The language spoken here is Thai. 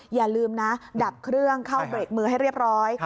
อย่าลืมนะดับเครื่องเข้าเบรกมือให้เรียบร้อย